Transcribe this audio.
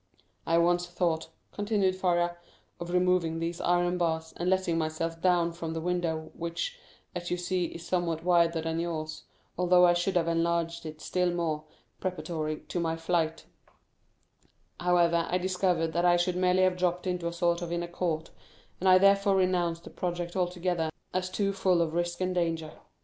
"I once thought," continued Faria, "of removing these iron bars, and letting myself down from the window, which, as you see, is somewhat wider than yours, although I should have enlarged it still more preparatory to my flight; however, I discovered that I should merely have dropped into a sort of inner court, and I therefore renounced the project altogether as too full of risk and danger.